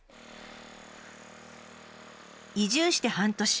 移住して半年。